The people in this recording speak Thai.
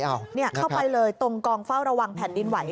เข้าไปเลยตรงกองเฝ้าระวังแผ่นดินไหว